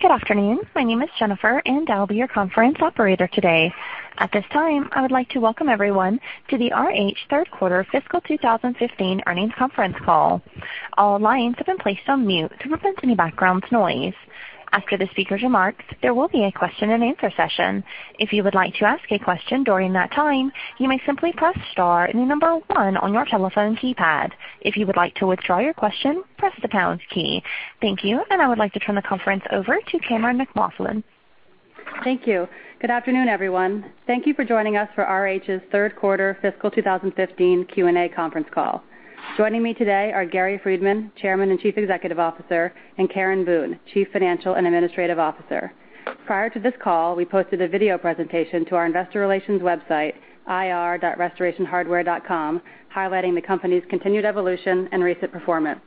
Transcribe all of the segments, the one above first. Good afternoon. My name is Jennifer, I'll be your conference operator today. At this time, I would like to welcome everyone to the RH Third Quarter Fiscal 2015 Earnings Conference Call. All lines have been placed on mute to prevent any background noise. After the speaker's remarks, there will be a question and answer session. If you would like to ask a question during that time, you may simply press star and the number 1 on your telephone keypad. If you would like to withdraw your question, press the pounds key. Thank you, I would like to turn the conference over to Cammeron McLaughlin. Thank you. Good afternoon, everyone. Thank you for joining us for RH's third quarter fiscal 2015 Q&A conference call. Joining me today are Gary Friedman, Chairman and Chief Executive Officer, and Karen Boone, Chief Financial and Administrative Officer. Prior to this call, we posted a video presentation to our investor relations website, ir.rh.com, highlighting the company's continued evolution and recent performance.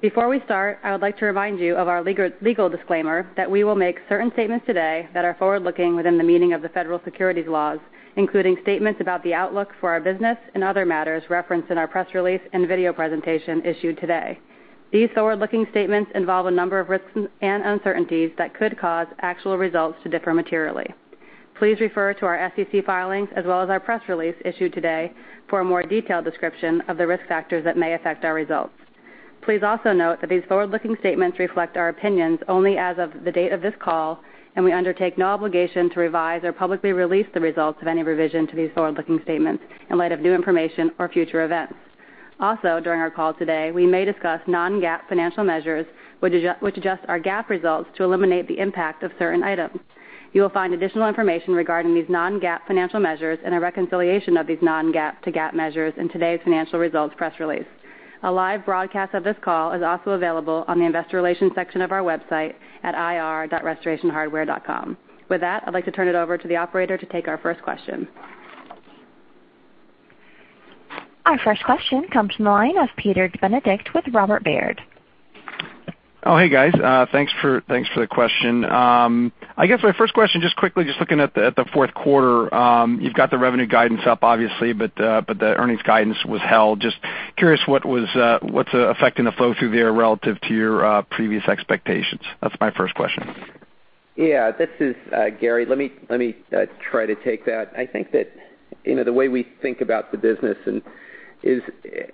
Before we start, I would like to remind you of our legal disclaimer that we will make certain statements today that are forward-looking within the meaning of the federal securities laws, including statements about the outlook for our business and other matters referenced in our press release and video presentation issued today. These forward-looking statements involve a number of risks and uncertainties that could cause actual results to differ materially. Please refer to our SEC filings as well as our press release issued today for a more detailed description of the risk factors that may affect our results. Please also note that these forward-looking statements reflect our opinions only as of the date of this call, we undertake no obligation to revise or publicly release the results of any revision to these forward-looking statements in light of new information or future events. Also, during our call today, we may discuss non-GAAP financial measures which adjust our GAAP results to eliminate the impact of certain items. You will find additional information regarding these non-GAAP financial measures and a reconciliation of these non-GAAP to GAAP measures in today's financial results press release. A live broadcast of this call is also available on the investor relations section of our website at ir.rh.com. With that, I'd like to turn it over to the operator to take our first question. Our first question comes from the line of Peter Benedict with Robert W. Baird. Oh, hey, guys. Thanks for the question. I guess my first question, just quickly, just looking at the fourth quarter. You've got the revenue guidance up, obviously, the earnings guidance was held. Just curious, what's affecting the flow through there relative to your previous expectations? That's my first question. Yeah. This is Gary. Let me try to take that. I think that the way we think about the business is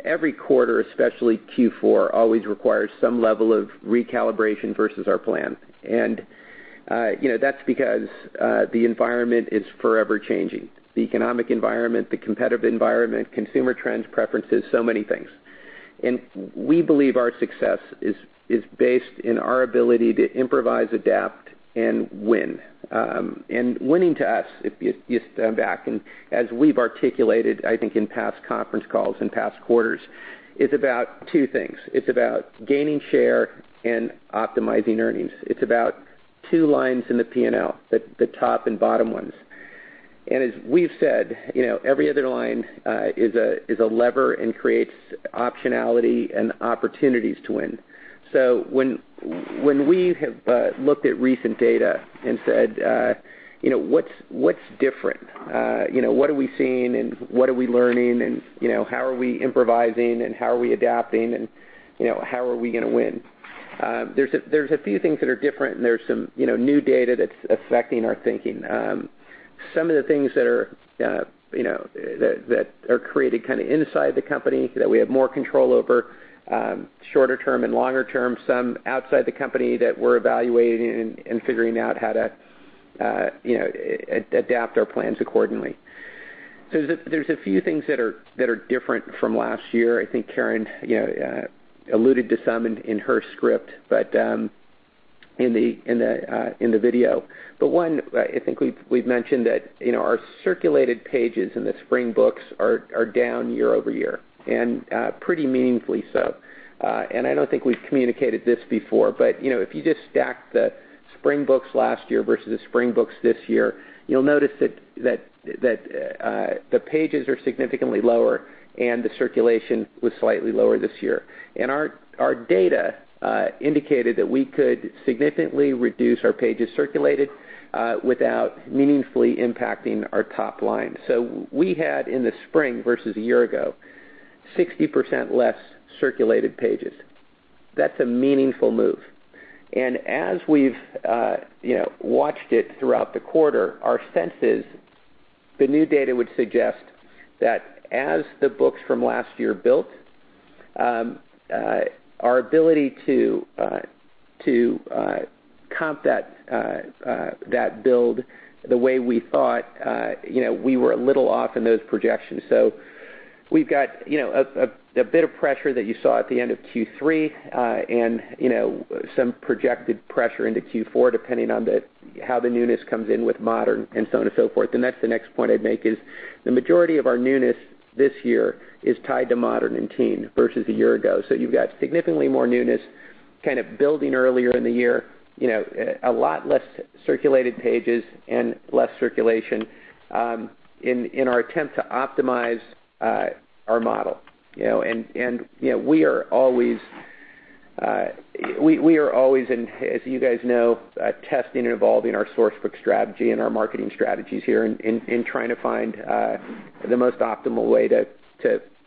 every quarter, especially Q4, always requires some level of recalibration versus our plan. That's because the environment is forever changing. The economic environment, the competitive environment, consumer trends, preferences, so many things. We believe our success is based on our ability to improvise, adapt, and win. Winning to us, if you stand back and as we've articulated, I think, in past conference calls and past quarters, is about two things. It's about gaining share and optimizing earnings. It's about two lines in the P&L, the top and bottom ones. As we've said, every other line is a lever and creates optionality and opportunities to win. When we have looked at recent data and said, "What's different? What are we seeing and what are we learning and how are we improvising and how are we adapting, and how are we going to win?" There's a few things that are different, there's some new data that's affecting our thinking. Some of the things that are created inside the company that we have more control over, shorter term and longer term, some outside the company that we're evaluating and figuring out how to adapt our plans accordingly. There's a few things that are different from last year. I think Karen alluded to some in her script, in the video. One, I think we've mentioned that our circulated pages in the spring books are down year-over-year, pretty meaningfully so. I don't think we've communicated this before, but if you just stack the spring books last year versus the spring books this year, you'll notice that the pages are significantly lower and the circulation was slightly lower this year. Our data indicated that we could significantly reduce our pages circulated without meaningfully impacting our top line. We had in the spring versus a year ago, 60% less circulated pages. That's a meaningful move. As we've watched it throughout the quarter, our sense is the new data would suggest that as the books from last year built, our ability to comp that build the way we thought, we were a little off in those projections. We've got a bit of pressure that you saw at the end of Q3, and some projected pressure into Q4, depending on how the newness comes in with RH Modern and so on and so forth. That's the next point I'd make is the majority of our newness this year is tied to RH Modern and RH Teen versus a year ago. You've got significantly more newness building earlier in the year, a lot less circulated pages and less circulation in our attempt to optimize our model. We are always, as you guys know, testing and evolving our source book strategy and our marketing strategies here and trying to find the most optimal way to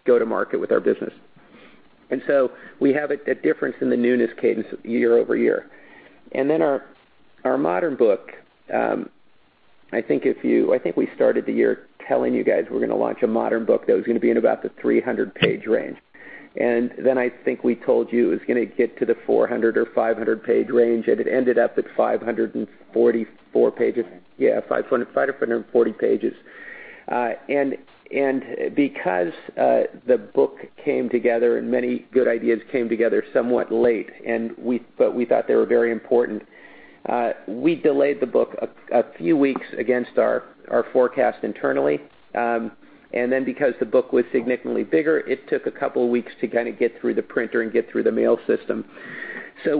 go to market with our business. We have a difference in the newness cadence year-over-year. Our RH Modern book, I think we started the year telling you guys we're going to launch an RH Modern book that was going to be in about the 300-page range. I think we told you it was going to get to the 400 or 500-page range, and it ended up at 544 pages. Yeah, 540 pages. Because the book came together and many good ideas came together somewhat late, but we thought they were very important, we delayed the book a few weeks against our forecast internally. Because the book was significantly bigger, it took a couple of weeks to get through the printer and get through the mail system.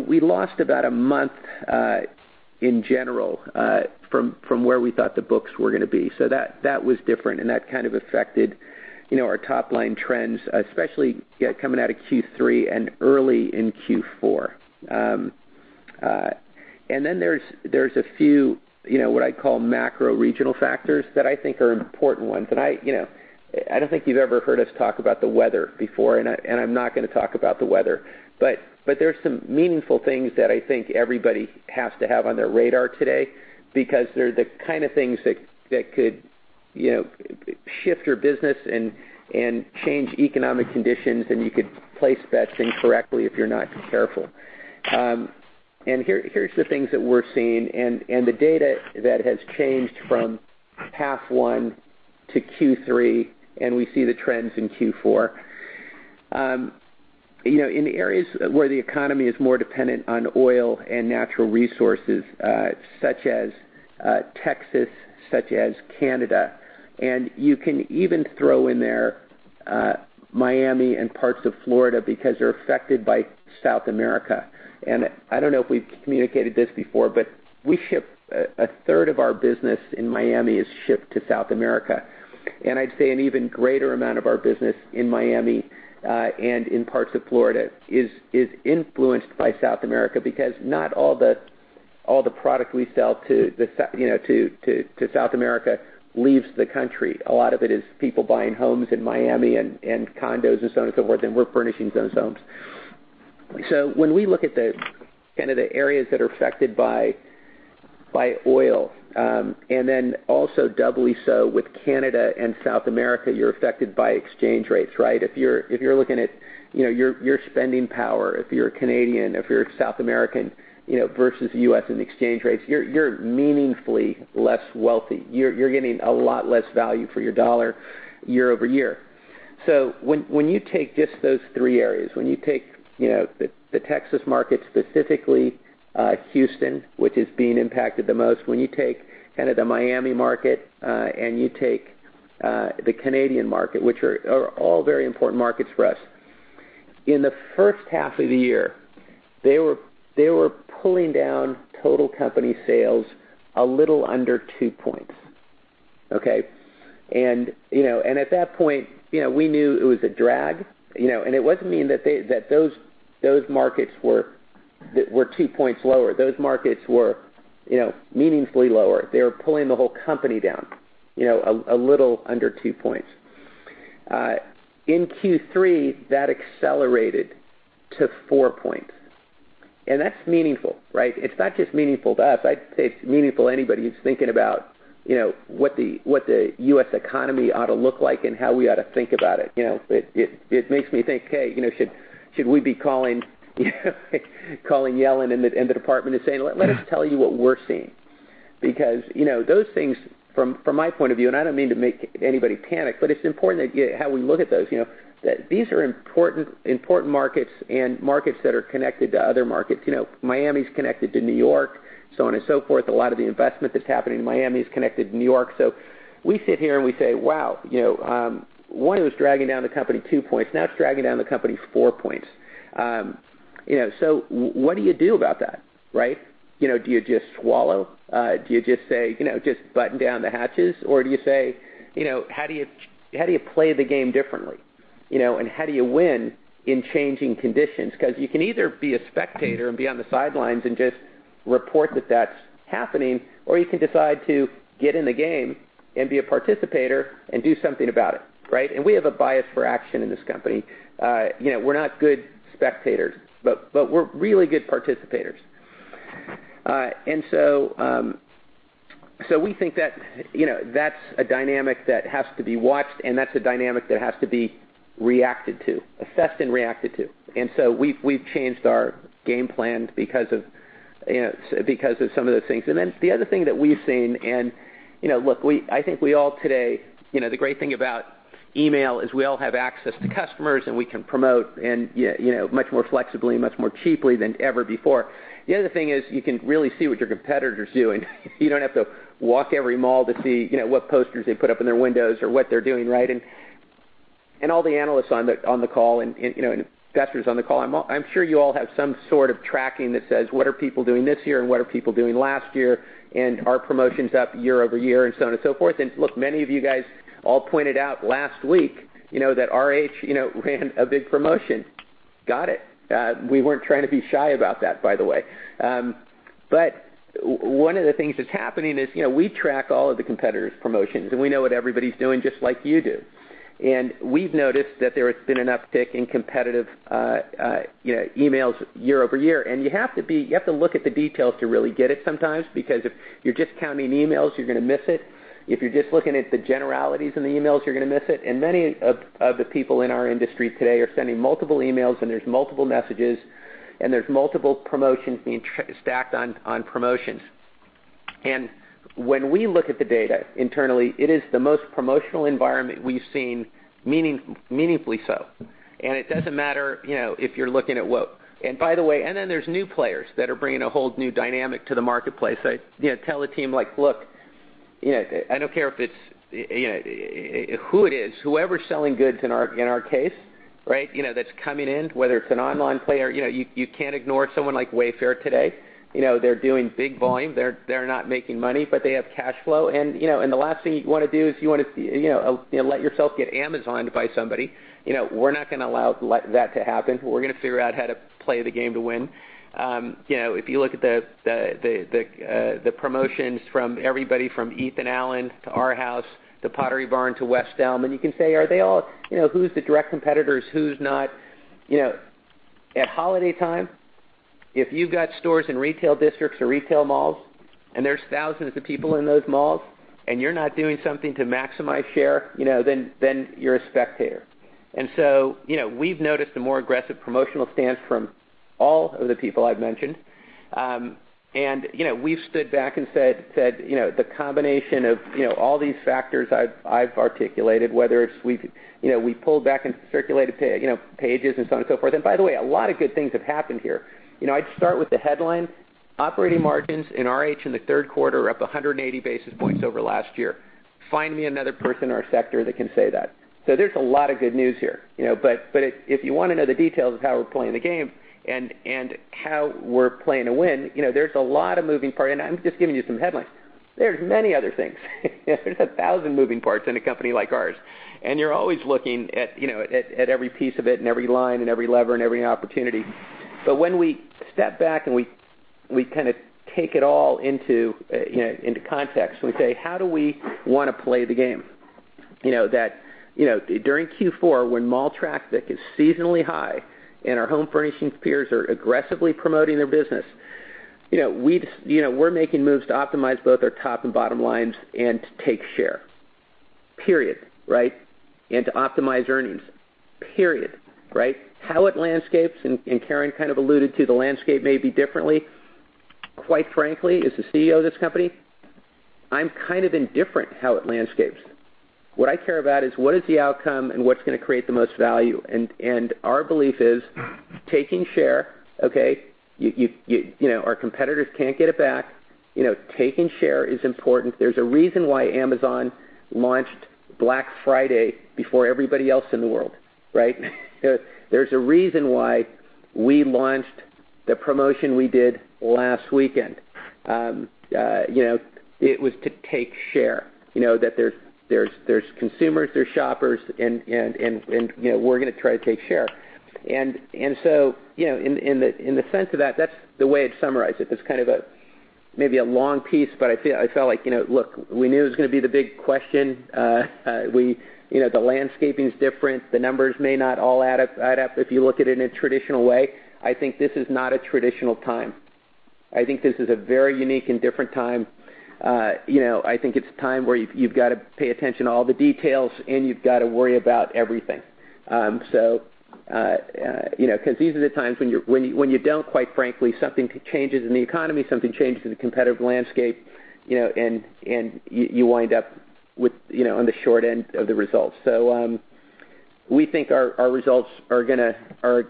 We lost about a month, in general, from where we thought the books were going to be. That was different and that affected our top-line trends, especially coming out of Q3 and early in Q4. There's a few, what I call macro regional factors that I think are important ones. I don't think you've ever heard us talk about the weather before, and I'm not going to talk about the weather. There's some meaningful things that I think everybody has to have on their radar today because they're the kind of things that could shift your business and change economic conditions, and you could place bets incorrectly if you're not careful. Here's the things that we're seeing and the data that has changed from half one to Q3, and we see the trends in Q4. In the areas where the economy is more dependent on oil and natural resources, such as Texas, such as Canada, you can even throw in there Miami and parts of Florida because they're affected by South America. I don't know if we've communicated this before, but we ship a third of our business in Miami is shipped to South America. I'd say an even greater amount of our business in Miami, and in parts of Florida is influenced by South America because not all the product we sell to South America leaves the country. A lot of it is people buying homes in Miami and condos and so on and so forth, and we're furnishing those homes. When we look at the areas that are affected by oil, then also doubly so with Canada and South America, you're affected by exchange rates, right? If you're looking at your spending power, if you're Canadian, if you're South American versus U.S. and exchange rates, you're meaningfully less wealthy. You're getting a lot less value for your dollar year-over-year. When you take just those three areas, when you take the Texas market, specifically Houston, which is being impacted the most. When you take the Miami market, and you take the Canadian market, which are all very important markets for us. In the first half of the year, they were pulling down total company sales a little under 2 points. Okay? At that point, we knew it was a drag, and it wasn't mean that those markets were 2 points lower. Those markets were meaningfully lower. They were pulling the whole company down, a little under 2 points. In Q3, that accelerated to 4 points. That's meaningful, right? It's not just meaningful to us. I'd say it's meaningful anybody who's thinking about what the U.S. economy ought to look like and how we ought to think about it. It makes me think, hey, should we be calling Yellen in the department and saying, "Let us tell you what we're seeing." Those things from my point of view, and I don't mean to make anybody panic, but it's important how we look at those. These are important markets and markets that are connected to other markets. Miami's connected to New York, so on and so forth. A lot of the investment that's happening in Miami is connected to New York. We sit here and we say, "Wow, one was dragging down the company 2 points, now it's dragging down the company 4 points." What do you do about that, right? Do you just swallow? Do you just say, "Just button down the hatches?" Do you say, how do you play the game differently? How do you win in changing conditions? You can either be a spectator and be on the sidelines and just report that that's happening, or you can decide to get in the game and be a participator and do something about it, right? We have a bias for action in this company. We're not good spectators, but we're really good participators. We think that's a dynamic that has to be watched and that's a dynamic that has to be reacted to, assessed and reacted to. We've changed our game plan because of some of those things. The other thing that we've seen, I think we all today, the great thing about email is we all have access to customers, and we can promote much more flexibly and much more cheaply than ever before. The other thing is you can really see what your competitor's doing. You don't have to walk every mall to see what posters they put up in their windows or what they're doing, right? All the analysts on the call and investors on the call, I'm sure you all have some sort of tracking that says, what are people doing this year and what are people doing last year, and are promotions up year-over-year, and so on and so forth. Many of you guys all pointed out last week that RH ran a big promotion. Got it. We weren't trying to be shy about that, by the way. One of the things that's happening is we track all of the competitors' promotions, and we know what everybody's doing, just like you do. We've noticed that there has been an uptick in competitive emails year-over-year. You have to look at the details to really get it sometimes, because if you're just counting emails, you're going to miss it. If you're just looking at the generalities in the emails, you're going to miss it. Many of the people in our industry today are sending multiple emails, and there's multiple messages, and there's multiple promotions being stacked on promotions. When we look at the data internally, it is the most promotional environment we've seen, meaningfully so. It doesn't matter if you're looking at what By the way, there's new players that are bringing a whole new dynamic to the marketplace. I tell the team, "Look, I don't care who it is, whoever's selling goods in our case, that's coming in, whether it's an online player." You can't ignore someone like Wayfair today. They're doing big volume. They're not making money, but they have cash flow. The last thing you want to do is you want to let yourself get Amazoned by somebody. We're not going to allow that to happen. We're going to figure out how to play the game to win. If you look at the promotions from everybody, from Ethan Allen to Arhaus to Pottery Barn to West Elm, and you can say, "Who's the direct competitors? Who's not?" At holiday time, if you've got stores in retail districts or retail malls, and there's thousands of people in those malls, and you're not doing something to maximize share, then you're a spectator. We've noticed a more aggressive promotional stance from all of the people I've mentioned. We've stood back and said the combination of all these factors I've articulated, whether it's we pulled back and circulated pages and so on and so forth. By the way, a lot of good things have happened here. I'd start with the headline. Operating margins in RH in the third quarter are up 180 basis points over last year. Find me another person or a sector that can say that. There's a lot of good news here. If you want to know the details of how we're playing the game and how we're playing to win, there's a lot of moving parts. I'm just giving you some headlines. There's many other things. There's a thousand moving parts in a company like ours, and you're always looking at every piece of it and every line and every lever and every opportunity. When we step back and we take it all into context, and we say, "How do we want to play the game?" During Q4, when mall traffic is seasonally high and our home furnishing peers are aggressively promoting their business, we're making moves to optimize both our top and bottom lines and to take share. Period, right? To optimize earnings. Period, right? How it landscapes. Karen kind of alluded to the landscape may be differently. Quite frankly, as the CEO of this company, I'm kind of indifferent how it landscapes. What I care about is what is the outcome and what's going to create the most value. Our belief is taking share, okay. Our competitors can't get it back. Taking share is important. There's a reason why Amazon launched Black Friday before everybody else in the world, right? There's a reason why we launched the promotion we did last weekend. It was to take share. There's consumers, there's shoppers, and we're going to try to take share. In the sense of that's the way I'd summarize it. It's kind of maybe a long piece. I felt like, look, we knew it was going to be the big question. The landscaping's different. The numbers may not all add up if you look at it in a traditional way. I think this is not a traditional time. I think this is a very unique and different time. I think it's a time where you've got to pay attention to all the details, and you've got to worry about everything. These are the times when you don't, quite frankly, something changes in the economy, something changes in the competitive landscape, and you wind up on the short end of the results. We think our results are going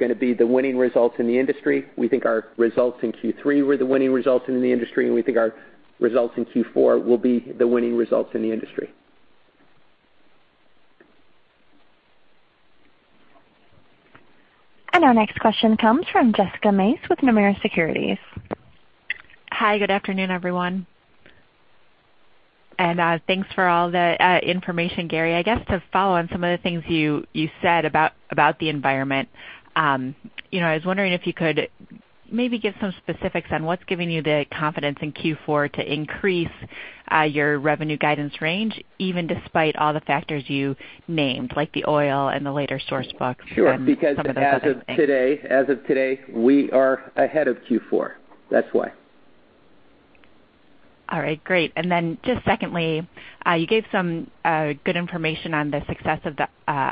to be the winning results in the industry. We think our results in Q3 were the winning results in the industry, and we think our results in Q4 will be the winning results in the industry. Our next question comes from Jessica Mace with Nomura Securities. Hi, good afternoon, everyone. Thanks for all the information, Gary. I guess to follow on some of the things you said about the environment, I was wondering if you could maybe give some specifics on what's giving you the confidence in Q4 to increase your revenue guidance range, even despite all the factors you named, like the oil and the later source books. Sure Some of those other things. As of today, we are ahead of Q4. That's why. All right, great. Just secondly, you gave some good information on the success of the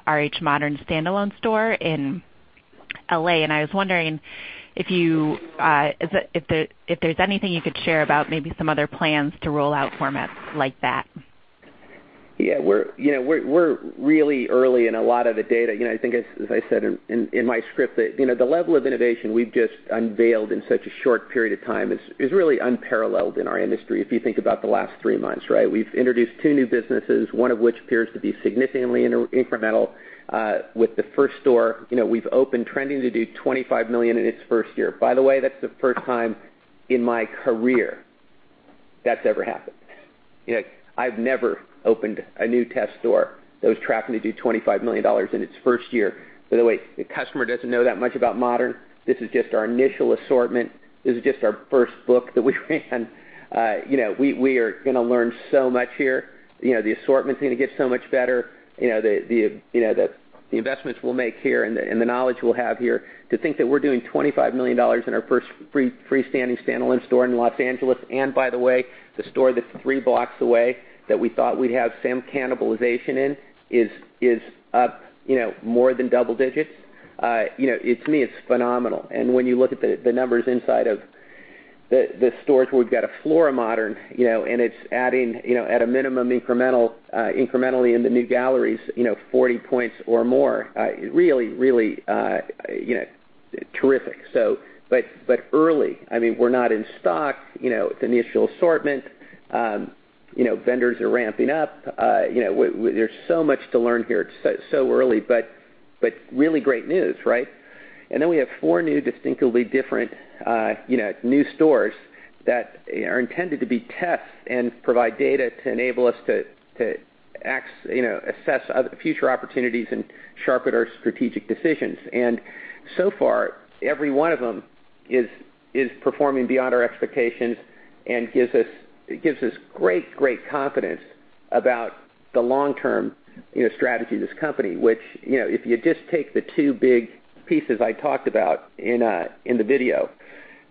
RH Modern standalone store in L.A. I was wondering if there's anything you could share about maybe some other plans to roll out formats like that. Yeah. I think as I said in my script, the level of innovation we've just unveiled in such a short period of time is really unparalleled in our industry if you think about the last three months, right? We've introduced two new businesses, one of which appears to be significantly incremental. With the first store, we've opened trending to do $25 million in its first year. By the way, that's the first time in my career That's never happened. I've never opened a new test store that was tracking to do $25 million in its first year. By the way, the customer doesn't know that much about Modern. This is just our initial assortment. This is just our first book that we ran. We are going to learn so much here. The assortment's going to get so much better. The investments we'll make here and the knowledge we'll have here. To think that we're doing $25 million in our first freestanding standalone store in L.A., and by the way, the store that's three blocks away that we thought we'd have some cannibalization in is up more than double-digits. To me, it's phenomenal. When you look at the numbers inside of the stores where we've got a floor of Modern, and it's adding, at a minimum, incrementally in the new galleries, 40 points or more. Really terrific. Early, we're not in stock, the initial assortment. Vendors are ramping up. There's so much to learn here. It's so early, but really great news. Then we have four new distinctively different new stores that are intended to be tests and provide data to enable us to assess future opportunities and sharpen our strategic decisions. So far, every one of them is performing beyond our expectations and gives us great confidence about the long-term strategy of this company. Which, if you just take the two big pieces I talked about in the video,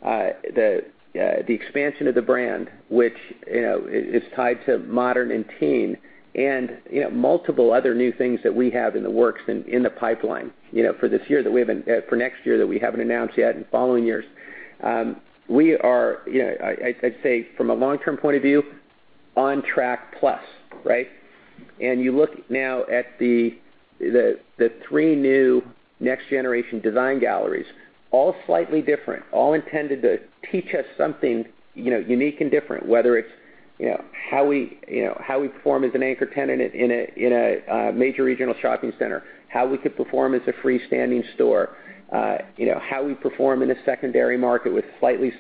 the expansion of the brand, which is tied to Modern and Teen, and multiple other new things that we have in the works and in the pipeline for next year that we haven't announced yet, and following years. We are, I'd say from a long-term point of view, on track plus. You look now at the three new next generation design galleries, all slightly different, all intended to teach us something unique and different. Whether it's how we perform as an anchor tenant in a major regional shopping center, how we could perform as a freestanding store, how we perform in a secondary market with slightly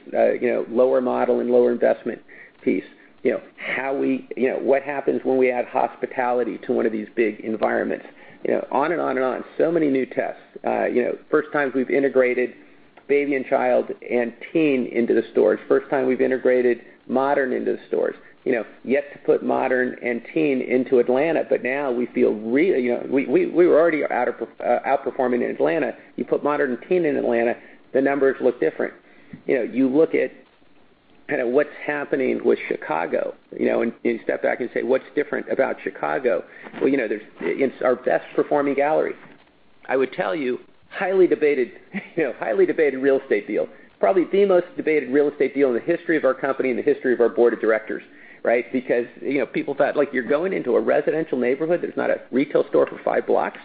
lower model and lower investment piece. What happens when we add hospitality to one of these big environments? On and on. Many new tests. First time we've integrated baby and child and Teen into the stores. First time we've integrated Modern into the stores. Yet to put Modern and Teen into Atlanta, now we feel we were already outperforming in Atlanta. You put Modern and Teen in Atlanta, the numbers look different. You look at what's happening with Chicago, you step back and say, "What's different about Chicago?" Well, it's our best performing gallery. I would tell you, highly debated real estate deal. Probably the most debated real estate deal in the history of our company, and the history of our board of directors. People thought, like, "You're going into a residential neighborhood that's not a retail store for 5 blocks.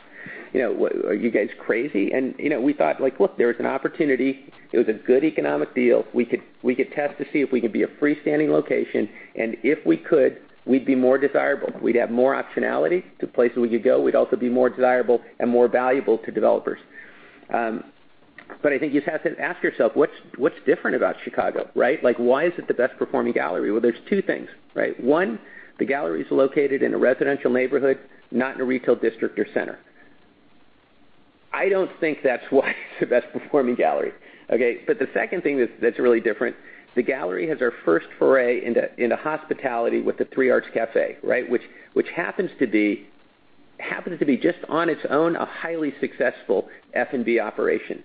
Are you guys crazy?" We thought, like, "Look, there was an opportunity. It was a good economic deal. We could test to see if we could be a freestanding location, and if we could, we'd be more desirable. We'd have more optionality to places we could go. We'd also be more desirable and more valuable to developers." I think you have to ask yourself, what's different about Chicago? Why is it the best performing gallery? Well, there's 2 things. 1, the gallery's located in a residential neighborhood, not in a retail district or center. I don't think that's why it's the best performing gallery. Okay? The 2nd thing that's really different, the gallery has our first foray into hospitality with the 3 Arts Cafe. Which happens to be just on its own a highly successful F&B operation.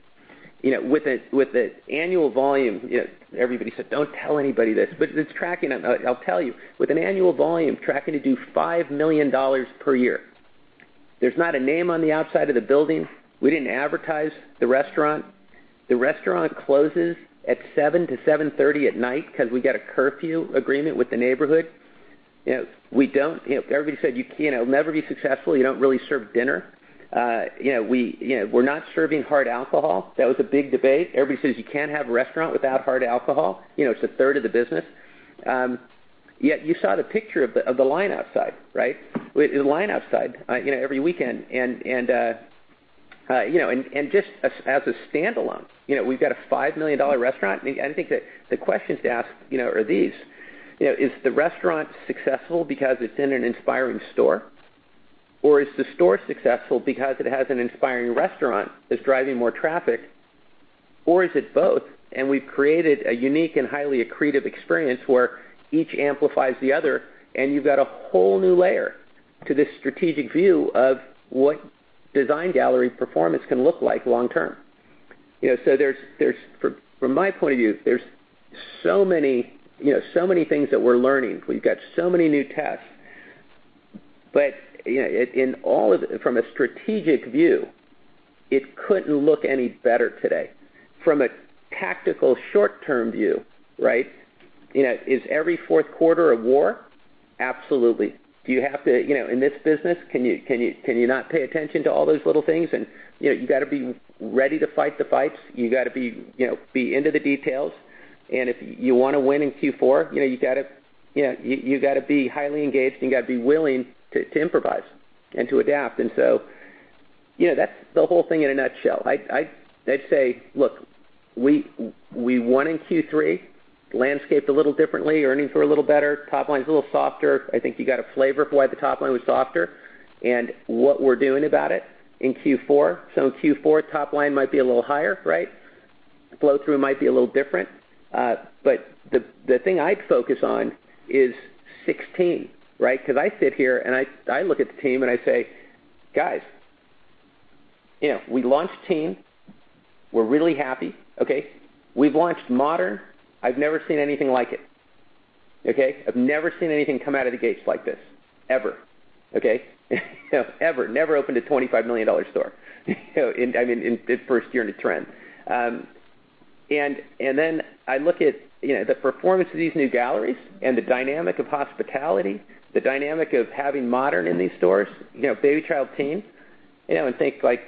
With an annual volume. Everybody said, "Don't tell anybody this," but it's tracking, and I'll tell you. With an annual volume tracking to do $5 million per year. There's not a name on the outside of the building. We didn't advertise the restaurant. The restaurant closes at 7:00 P.M. to 7:30 P.M. at night because we got a curfew agreement with the neighborhood. Everybody said, "You can never be successful. You don't really serve dinner." We're not serving hard alcohol. That was a big debate. Everybody says, "You can't have a restaurant without hard alcohol. It's a third of the business." Yet you saw the picture of the line outside. With the line outside every weekend, just as a standalone. We've got a $5 million restaurant. I think that the questions to ask are these. Is the restaurant successful because it's in an inspiring store? Is the store successful because it has an inspiring restaurant that's driving more traffic? Is it both? We've created a unique and highly accretive experience where each amplifies the other, and you've got a whole new layer to this strategic view of what design gallery performance can look like long term. From my point of view, there's so many things that we're learning. We've got so many new tests. From a strategic view, it couldn't look any better today. From a tactical short-term view. Is every fourth quarter a war? Absolutely. In this business, can you not pay attention to all those little things? You've got to be ready to fight the fights. You've got to be into the details. If you want to win in Q4, you've got to be highly engaged and you've got to be willing to improvise and to adapt. That's the whole thing in a nutshell. I'd say, look, we won in Q3, landscaped a little differently, earnings were a little better, top line's a little softer. I think you got a flavor for why the top line was softer and what we're doing about it in Q4. In Q4, top line might be a little higher, right? Flow-through might be a little different. The thing I'd focus on is 2016, right? I sit here and I look at the team and I say, "Guys, we launched Teen. We're really happy." Okay. We've launched Modern. I've never seen anything like it. Okay. I've never seen anything come out of the gates like this, ever. Okay. Ever. Never opened a $25 million store in the first year in a trend. Then I look at the performance of these new galleries and the dynamic of hospitality, the dynamic of having Modern in these stores, Baby, Child, Teen, and think, like,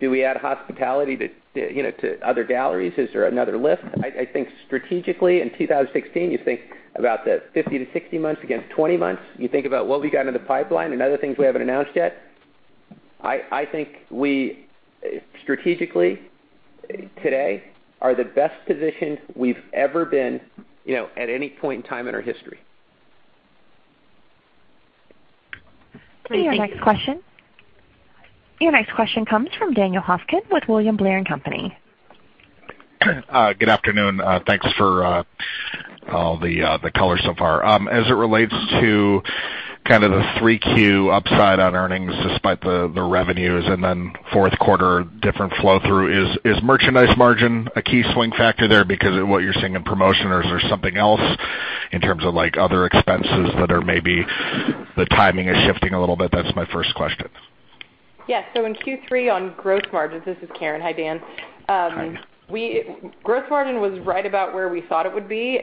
do we add hospitality to other galleries? Is there another lift? I think strategically in 2016, you think about the 50-60 months against 20 months. You think about what we got in the pipeline and other things we haven't announced yet. I think we strategically today are the best positioned we've ever been at any point in time in our history. Great. Thank you. Your next question comes from Daniel Hofkin with William Blair & Company. Good afternoon. Thanks for all the color so far. As it relates to the 3Q upside on earnings despite the revenues and then fourth quarter different flow through, is merchandise margin a key swing factor there because of what you're seeing in promotion or is there something else in terms of other expenses that are maybe the timing is shifting a little bit? That's my first question. Yes. In Q3 on gross margins. This is Karen. Hi, Dan. Hi. Gross margin was right about where we thought it would be,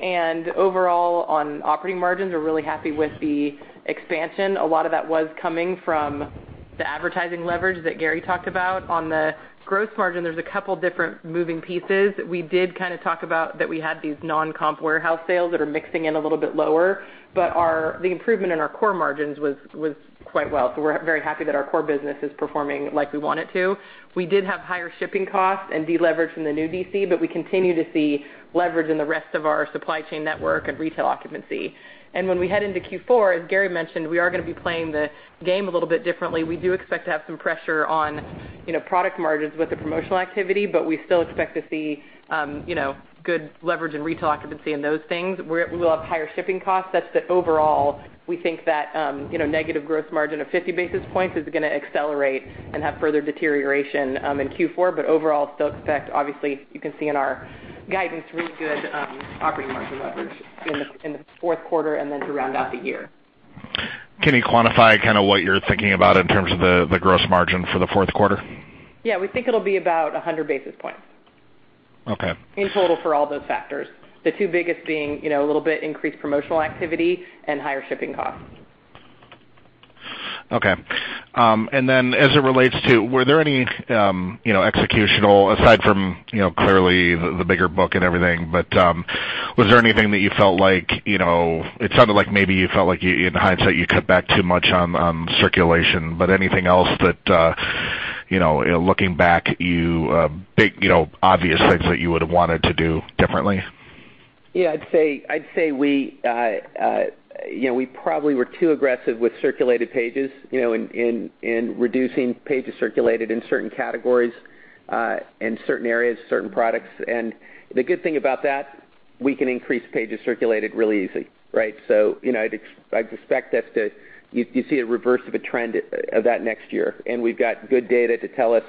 overall on operating margins, we're really happy with the expansion. A lot of that was coming from the advertising leverage that Gary talked about. On the gross margin, there's a couple different moving pieces. We did talk about that we had these non-comp warehouse sales that are mixing in a little bit lower, but the improvement in our core margins was quite well. We're very happy that our core business is performing like we want it to. We did have higher shipping costs and deleverage from the new DC, but we continue to see leverage in the rest of our supply chain network and retail occupancy. When we head into Q4, as Gary mentioned, we are going to be playing the game a little bit differently. We do expect to have some pressure on product margins with the promotional activity, but we still expect to see good leverage in retail occupancy and those things. We will have higher shipping costs. That's the overall, we think that negative gross margin of 50 basis points is going to accelerate and have further deterioration in Q4. Overall, still expect, obviously, you can see in our guidance, really good operating margin leverage in the fourth quarter and then to round out the year. Can you quantify what you're thinking about in terms of the gross margin for the fourth quarter? Yeah. We think it'll be about 100 basis points. Okay. In total for all those factors. The two biggest being a little bit increased promotional activity and higher shipping costs. Okay. As it relates to, were there any executional, aside from clearly the bigger book and everything, was there anything that you felt like? It sounded like maybe you felt like in hindsight, you cut back too much on circulation, anything else that looking back, big obvious things that you would have wanted to do differently? Yeah, I'd say we probably were too aggressive with circulated pages in reducing pages circulated in certain categories and certain areas, certain products. The good thing about that, we can increase pages circulated really easy. Right. I'd expect you see a reverse of a trend of that next year. We've got good data to tell us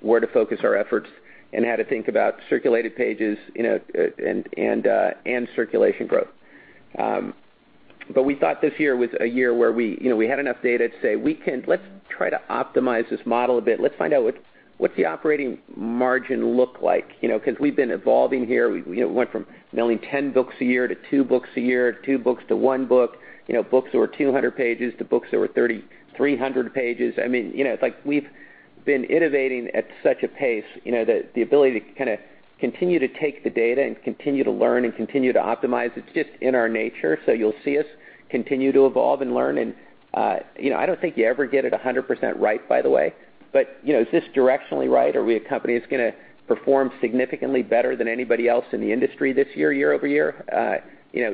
where to focus our efforts and how to think about circulated pages and circulation growth. We thought this year was a year where we had enough data to say, "Let's try to optimize this model a bit. Let's find out what's the operating margin look like?" We've been evolving here. We went from milling 10 books a year to two books a year, two books to one book, books that were 200 pages to books that were 300 pages. It's like we've been innovating at such a pace that the ability to continue to take the data and continue to learn and continue to optimize, it's just in our nature. You'll see us continue to evolve and learn. I don't think you ever get it 100% right, by the way. Is this directionally right? Are we a company that's going to perform significantly better than anybody else in the industry this year-over-year?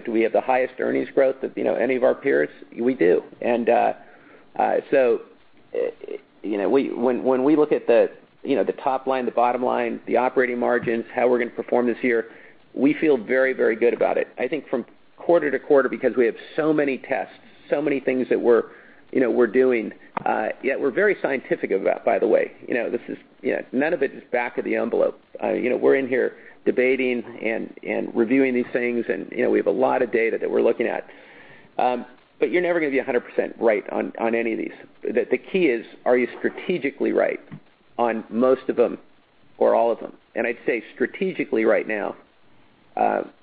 Do we have the highest earnings growth of any of our peers? We do. When we look at the top line, the bottom line, the operating margins, how we're going to perform this year, we feel very, very good about it. I think from quarter to quarter because we have so many tests, so many things that we're doing, yet we're very scientific about, by the way. None of it is back of the envelope. We're in here debating and reviewing these things, and we have a lot of data that we're looking at. You're never going to be 100% right on any of these. The key is, are you strategically right on most of them or all of them? I'd say strategically right now,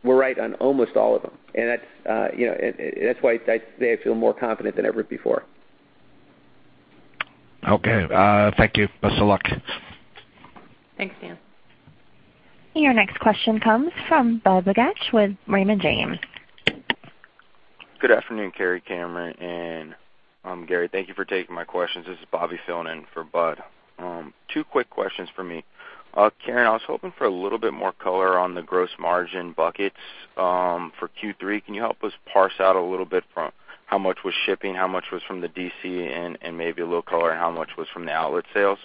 we're right on almost all of them. That's why I say I feel more confident than ever before. Okay. Thank you. Best of luck. Thanks, Dan. Your next question comes from Budd Bugatch with Raymond James. Good afternoon, Karen, Cammeron, and Gary. Thank you for taking my questions. This is Bobby filling in for Bud. Two quick questions for me. Karen, I was hoping for a little bit more color on the gross margin buckets for Q3. Can you help us parse out a little bit from how much was shipping, how much was from the DC, and maybe a little color on how much was from the outlet sales?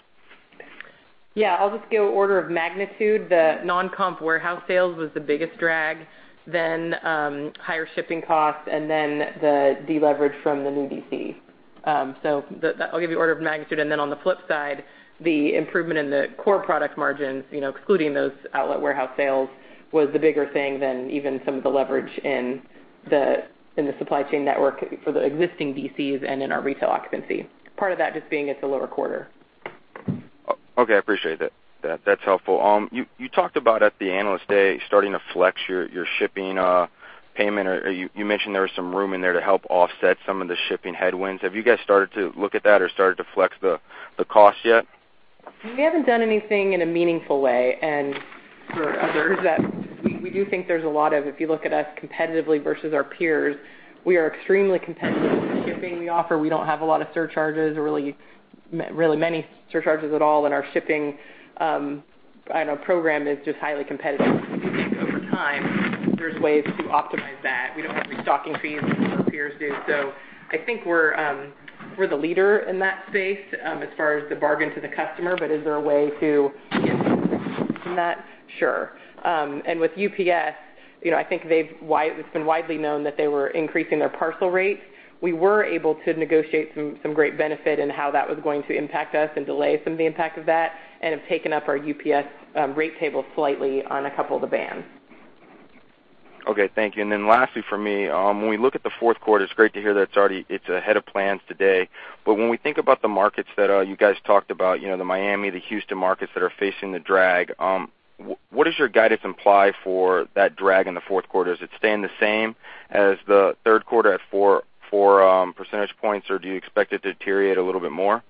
Yeah, I'll just give order of magnitude. The non-comp warehouse sales was the biggest drag. Higher shipping costs, and then the deleverage from the new DC. I'll give you order of magnitude, and then on the flip side, the improvement in the core product margins, excluding those outlet warehouse sales, was the bigger thing than even some of the leverage in the supply chain network for the existing DCs and in our retail occupancy. Part of that just being it's a lower quarter. Okay, I appreciate that. That's helpful. You talked about at the Analyst Day, starting to flex your shipping payment, or you mentioned there was some room in there to help offset some of the shipping headwinds. Have you guys started to look at that or started to flex the cost yet? For others that we do think there's a lot of, if you look at us competitively versus our peers, we are extremely competitive with the shipping we offer. We don't have a lot of surcharges or really many surcharges at all. Our shipping program is just highly competitive. We think over time, there's ways to optimize that. We don't have restocking fees like some of our peers do. I think we're the leader in that space as far as the bargain to the customer. Is there a way to get from that? Sure. With UPS, I think it's been widely known that they were increasing their parcel rates. We were able to negotiate some great benefit in how that was going to impact us and delay some of the impact of that and have taken up our UPS rate table slightly on a couple of the bands. Okay, thank you. Lastly for me, when we look at the fourth quarter, it's great to hear that it's ahead of plans today. When we think about the markets that you guys talked about, the Miami, the Houston markets that are facing the drag, what does your guidance imply for that drag in the fourth quarter? Does it stay the same as the third quarter at four percentage points, or do you expect it to deteriorate a little bit more?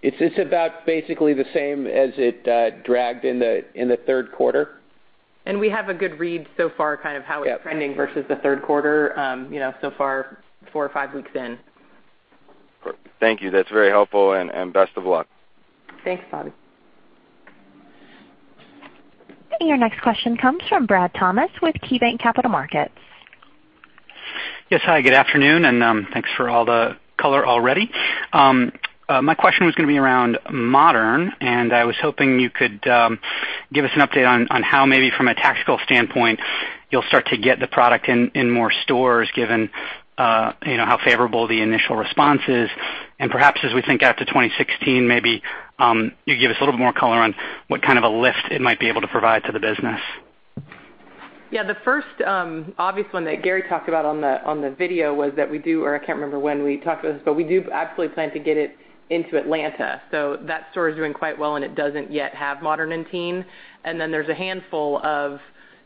It's about basically the same as it dragged in the third quarter. We have a good read so far, how it's trending versus the third quarter, so far, four or five weeks in. Thank you. That's very helpful and best of luck. Thanks, Bobby. Your next question comes from Brad Thomas with KeyBanc Capital Markets. Yes, hi, good afternoon. Thanks for all the color already. My question was going to be around RH Modern. I was hoping you could give us an update on how maybe from a tactical standpoint, you'll start to get the product in more stores given how favorable the initial response is. Perhaps as we think out to 2016, maybe you give us a little bit more color on what kind of a lift it might be able to provide to the business. Yeah, the first obvious one that Gary talked about on the video was that we do, or I can't remember when we talked about this, but we do absolutely plan to get it into Atlanta. That store is doing quite well, and it doesn't yet have RH Modern in RH Teen. There's a handful of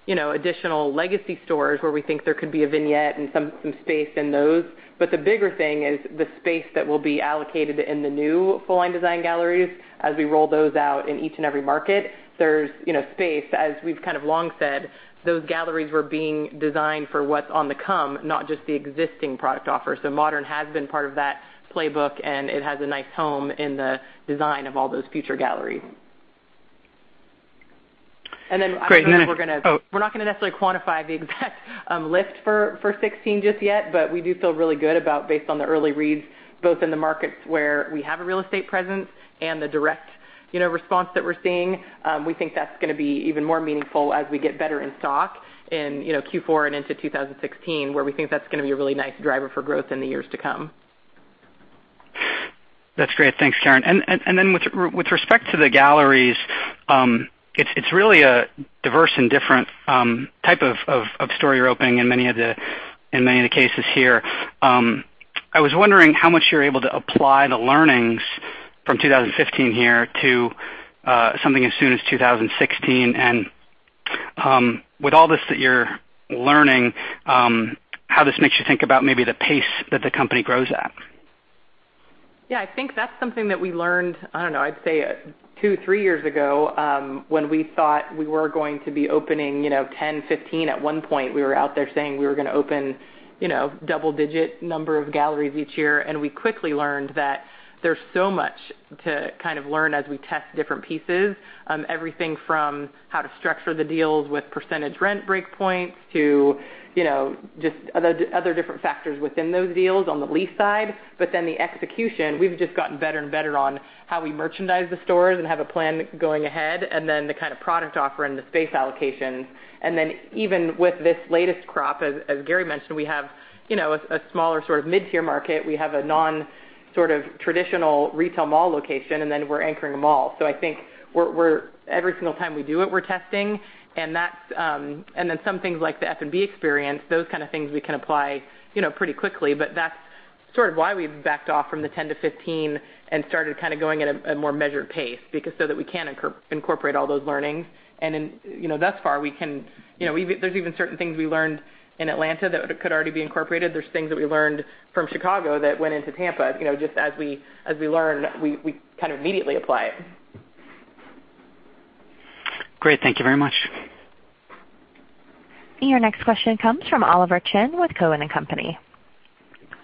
additional legacy stores where we think there could be a vignette and some space in those. The bigger thing is the space that will be allocated in the new full-line design galleries as we roll those out in each and every market. There's space, as we've kind of long said, those galleries were being designed for what's on the come, not just the existing product offer. RH Modern has been part of that playbook, and it has a nice home in the design of all those future galleries. Great. We're not going to necessarily quantify the exact lift for 2016 just yet, but we do feel really good about based on the early reads, both in the markets where we have a real estate presence and the direct response that we're seeing. We think that's going to be even more meaningful as we get better in stock in Q4 and into 2016, where we think that's going to be a really nice driver for growth in the years to come. That's great. Thanks, Karen. With respect to the galleries, it's really a diverse and different type of store you're opening in many of the cases here. I was wondering how much you're able to apply the learnings from 2015 here to something as soon as 2016. With all this that you're learning, how this makes you think about maybe the pace that the company grows at. I think that's something that we learned, I don't know, I'd say two, three years ago, when we thought we were going to be opening 10, 15. At one point, we were out there saying we were going to open double-digit number of galleries each year, we quickly learned that there's so much to kind of learn as we test different pieces. Everything from how to structure the deals with percentage rent breakpoints to just other different factors within those deals on the lease side. The execution, we've just gotten better and better on how we merchandise the stores and have a plan going ahead, the kind of product offer and the space allocation. Even with this latest crop, as Gary mentioned, we have a smaller sort of mid-tier market. We have a non sort of traditional retail mall location, we're anchoring a mall. I think every single time we do it, we're testing. Some things like the F&B experience, those kind of things we can apply pretty quickly, but that's sort of why we backed off from the 10 to 15 and started kind of going at a more measured pace because so that we can incorporate all those learnings. Thus far, there's even certain things we learned in Atlanta that could already be incorporated. There's things that we learned from Chicago that went into Tampa. Just as we learn, we kind of immediately apply it. Great. Thank you very much. Your next question comes from Oliver Chen with Cowen and Company.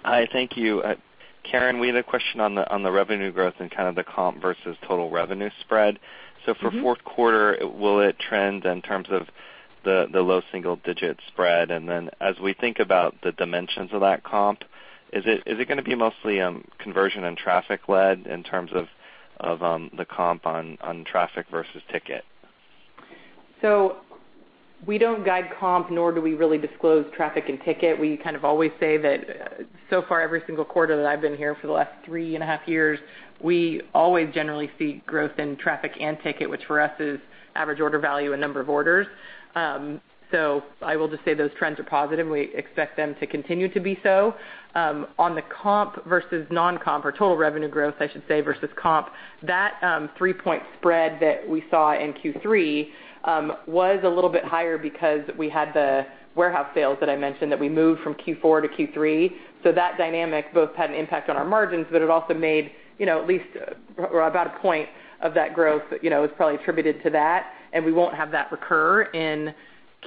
Hi. Thank you. Karen, we had a question on the revenue growth and the comp versus total revenue spread. For fourth quarter, will it trend in terms of the low single-digit spread? And then as we think about the dimensions of that comp, is it going to be mostly conversion and traffic-led in terms of the comp on traffic versus ticket? We don't guide comp, nor do we really disclose traffic and ticket. We always say that so far every single quarter that I've been here for the last three and a half years, we always generally see growth in traffic and ticket, which for us is average order value and number of orders. I will just say those trends are positive. We expect them to continue to be so. On the comp versus non-comp, or total revenue growth, I should say, versus comp, that three-point spread that we saw in Q3 was a little bit higher because we had the warehouse sales that I mentioned that we moved from Q4 to Q3. That dynamic both had an impact on our margins, but it also made at least about a point of that growth is probably attributed to that, and we won't have that recur in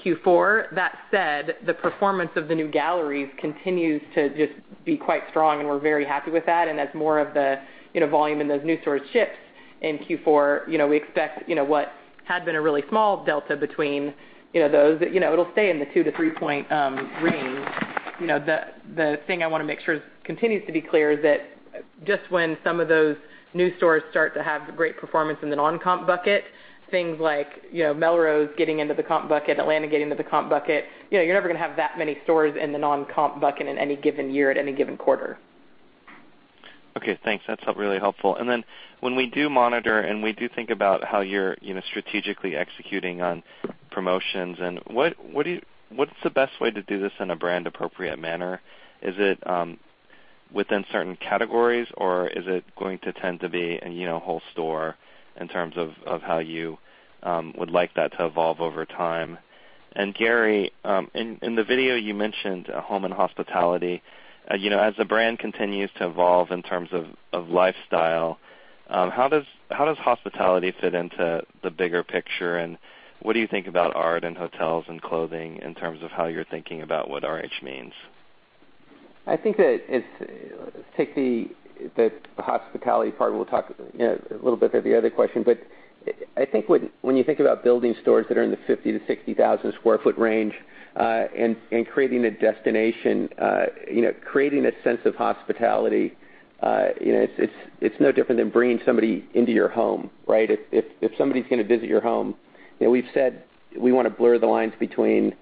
Q4. That said, the performance of the new galleries continues to just be quite strong, and we're very happy with that. As more of the volume in those new stores ships in Q4, we expect what had been a really small delta between those, it'll stay in the two to three-point range. The thing I want to make sure continues to be clear is that just when some of those new stores start to have great performance in the non-comp bucket, things like Melrose getting into the comp bucket, Atlanta getting into the comp bucket, you're never going to have that many stores in the non-comp bucket in any given year at any given quarter. Okay, thanks. That's really helpful. When we do monitor and we do think about how you're strategically executing on promotions and what's the best way to do this in a brand-appropriate manner? Is it within certain categories, or is it going to tend to be whole store in terms of how you would like that to evolve over time? Gary, in the video you mentioned home and hospitality. As the brand continues to evolve in terms of lifestyle, how does hospitality fit into the bigger picture, and what do you think about art and hotels and clothing in terms of how you're thinking about what RH means? I think that take the hospitality part, we'll talk a little bit of the other question. I think when you think about building stores that are in the 50,000 to 60,000 square foot range and creating a destination, creating a sense of hospitality, it's no different than bringing somebody into your home, right? If somebody's going to visit your home, we've said we want to blur the lines between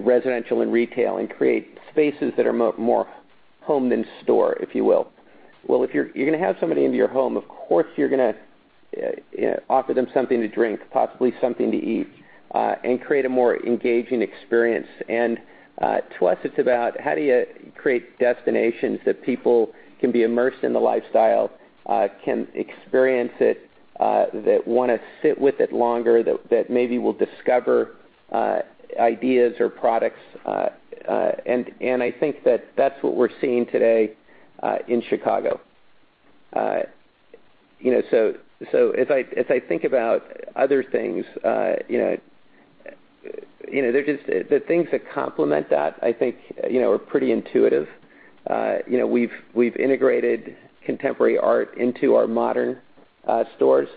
residential and retail and create spaces that are more home than store, if you will. If you're going to have somebody into your home, of course, you're going to offer them something to drink, possibly something to eat, and create a more engaging experience. To us, it's about how do you create destinations that people can be immersed in the lifestyle, can experience it, that want to sit with it longer, that maybe will discover ideas or products. I think that that's what we're seeing today in Chicago. As I think about other things, the things that complement that, I think, are pretty intuitive. We've integrated contemporary art into our modern stores.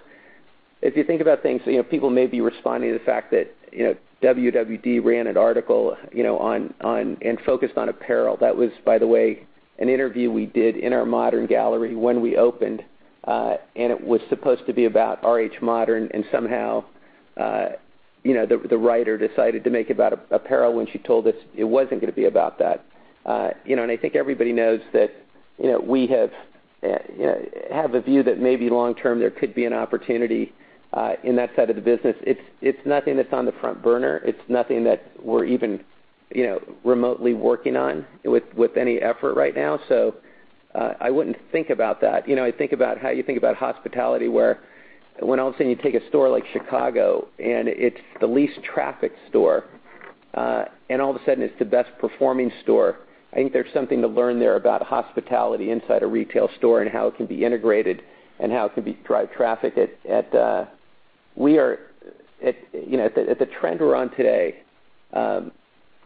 If you think about things, people may be responding to the fact that WWD ran an article, and focused on apparel. That was, by the way, an interview we did in our modern gallery when we opened, and it was supposed to be about RH Modern, and somehow the writer decided to make it about apparel when she told us it wasn't going to be about that. I think everybody knows that we have a view that maybe long-term there could be an opportunity in that side of the business. It's nothing that's on the front burner. It's nothing that we're even remotely working on with any effort right now. I wouldn't think about that. I think about how you think about hospitality, where when all of a sudden you take a store like Chicago and it's the least trafficked store, and all of a sudden it's the best performing store. I think there's something to learn there about hospitality inside a retail store and how it can be integrated and how it can drive traffic. At the trend we're on today,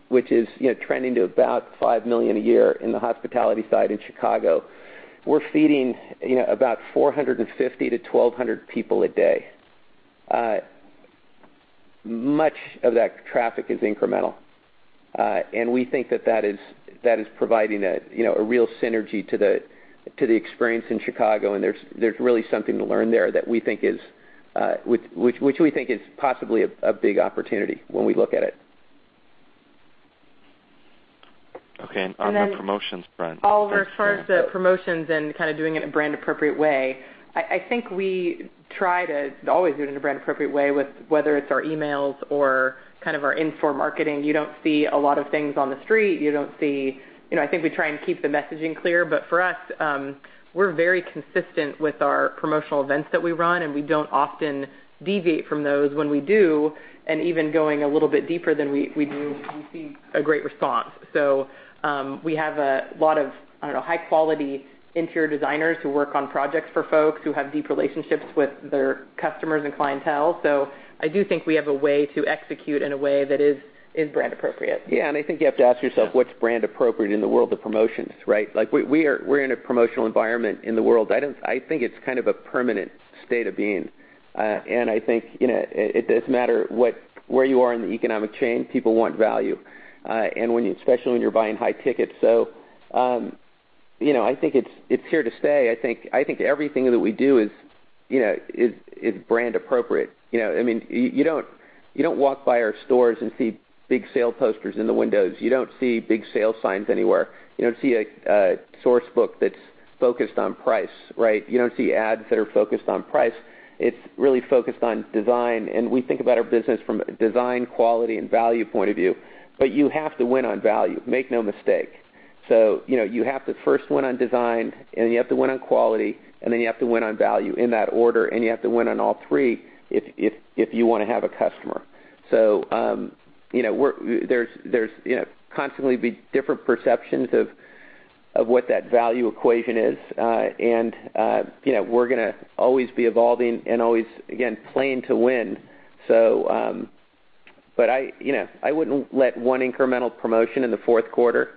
which is trending to about $5 million a year in the hospitality side in Chicago, we're feeding about 450 to 1,200 people a day. Much of that traffic is incremental, and we think that that is providing a real synergy to the experience in Chicago, and there's really something to learn there, which we think is possibly a big opportunity when we look at it. Okay. On the promotions front. Oliver, as far as the promotions and doing it in a brand-appropriate way, I think we try to always do it in a brand-appropriate way, whether it's our emails or our in-store marketing. You don't see a lot of things on the street. I think we try and keep the messaging clear. For us, we're very consistent with our promotional events that we run, and we don't often deviate from those. When we do, and even going a little bit deeper than we do, we see a great response. We have a lot of, I don't know, high-quality interior designers who work on projects for folks who have deep relationships with their customers and clientele. I do think we have a way to execute in a way that is brand appropriate. I think you have to ask yourself what's brand appropriate in the world of promotions, right? We're in a promotional environment in the world. I think it's a permanent state of being. I think it doesn't matter where you are in the economic chain, people want value, and especially when you're buying high tickets. I think it's here to stay. I think everything that we do is brand appropriate. You don't walk by our stores and see big sale posters in the windows. You don't see big sale signs anywhere. You don't see a source book that's focused on price, right? You don't see ads that are focused on price. It's really focused on design, and we think about our business from a design, quality, and value point of view. You have to win on value, make no mistake. You have to first win on design, and you have to win on quality, and then you have to win on value in that order, and you have to win on all three if you want to have a customer. There's constantly different perceptions of what that value equation is. We're going to always be evolving and always, again, playing to win. I wouldn't let one incremental promotion in the fourth quarter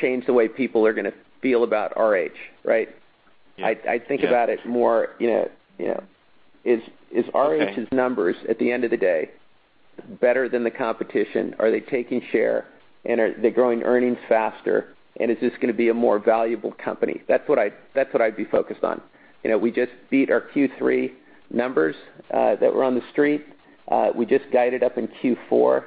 change the way people are going to feel about RH, right? Yeah. I think about it more, is RH's numbers. Okay At the end of the day better than the competition? Are they taking share, and are they growing earnings faster, and is this going to be a more valuable company? That's what I'd be focused on. We just beat our Q3 numbers that were on the street. We just guided up in Q4.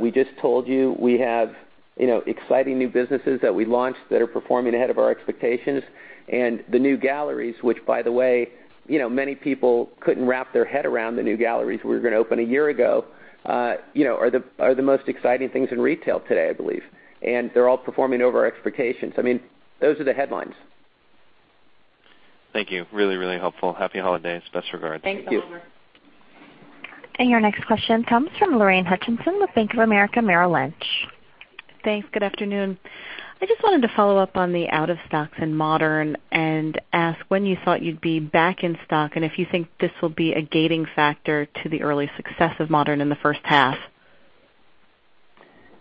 We just told you we have exciting new businesses that we launched that are performing ahead of our expectations. The new galleries, which by the way, many people couldn't wrap their head around the new galleries we were going to open a year ago, are the most exciting things in retail today, I believe. They're all performing over our expectations. Those are the headlines. Thank you. Really helpful. Happy holidays. Best regards. Thank you. Thanks, Oliver. Your next question comes from Lorraine Hutchinson with Bank of America Merrill Lynch. Thanks. Good afternoon. I just wanted to follow up on the out of stocks in Modern and ask when you thought you'd be back in stock, and if you think this will be a gating factor to the early success of Modern in the first half.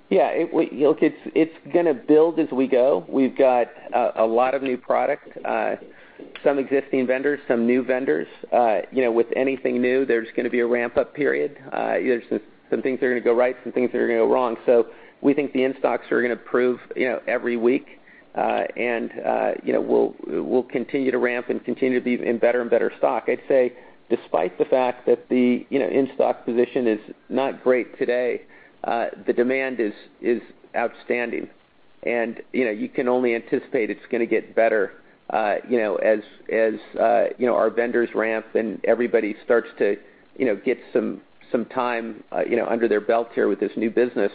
Yeah. Look, it's going to build as we go. We've got a lot of new product, some existing vendors, some new vendors. With anything new, there's going to be a ramp-up period. Some things are going to go right, some things are going to go wrong. We think the in-stocks are going to improve every week. We'll continue to ramp and continue to be in better and better stock. I'd say despite the fact that the in-stock position is not great today, the demand is outstanding. You can only anticipate it's going to get better as our vendors ramp and everybody starts to get some time under their belt here with this new business,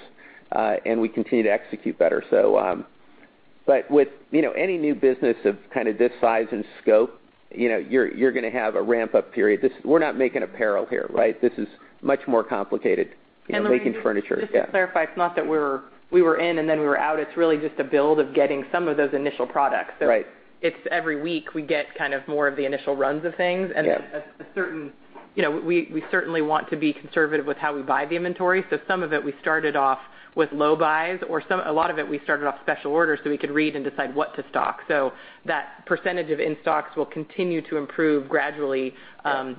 and we continue to execute better. With any new business of this size and scope, you're going to have a ramp-up period. We're not making apparel here, right? This is much more complicated than making furniture. Yeah. Lorraine, just to clarify, it's not that we were in and then we were out. It's really just a build of getting some of those initial products. Right. It's every week, we get more of the initial runs of things. Yeah. We certainly want to be conservative with how we buy the inventory. Some of it, we started off with low buys, or a lot of it, we started off special orders, we could read and decide what to stock. That % of in-stocks will continue to improve gradually all